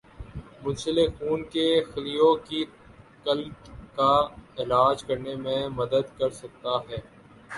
منسلک خون کے خلیوں کی قلت کا علاج کرنے میں مدد کر سکتا ہے